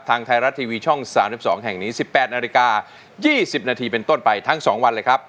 ทางไทยรัฐทีวีช่อง๓๒แห่งนี้๑๘นาฬิกา๒๐นาทีเป็นต้นไปทั้ง๒วันเลยครับ